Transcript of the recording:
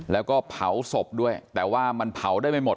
แล้วก็เผาศพด้วยแต่ว่ามันเผาได้ไม่หมด